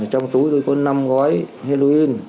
trong túi tôi có năm gói halloween